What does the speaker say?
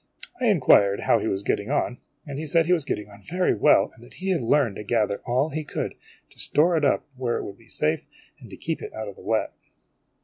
I inquired how He was getting on ; he said he was getting on very well, that he had learned to gather all he could, to store it up where it would be safe, and to keep in out of the wet."